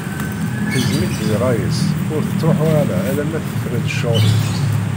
Tegzem-itt di rray-is, ur tettruḥu ara alamma tefra-d ccɣel-is.